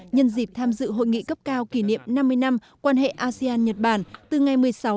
nhân dịp tham dự hội nghị cấp cao kỷ niệm năm mươi năm quan hệ asean nhật bản từ ngày một mươi sáu đến một mươi tám tháng một mươi hai